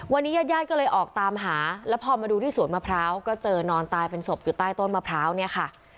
วันนี้ญาติญาติก็เลยออกตามหาแล้วพอมาดูที่สวนมะพร้าวก็เจอนอนตายเป็นศพอยู่ใต้ต้นมะพร้าวเนี่ยค่ะ